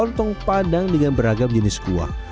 lontong padang dengan beragam jenis kuah